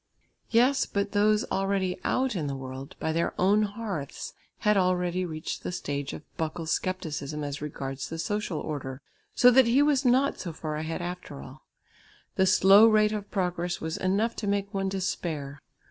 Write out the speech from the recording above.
Yes, but those already out in the world, by their own hearths, had already reached the stage of Buckle's scepticism as regards the social order, so that he was not so far ahead after all. The slow rate of progress was enough to make one despair.